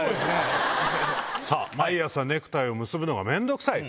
毎朝ネクタイを結ぶのが面倒くさい。